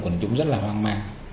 quần chúng rất là hoang mang